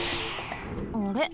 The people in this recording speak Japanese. あれ？